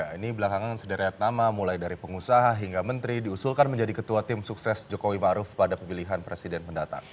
ini belakangan sederet nama mulai dari pengusaha hingga menteri diusulkan menjadi ketua tim sukses jokowi maruf pada pemilihan presiden mendatang